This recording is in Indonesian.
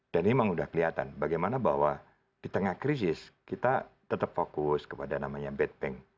dan ini memang sudah kelihatan bagaimana bahwa di tengah krisis kita tetap fokus kepada namanya bank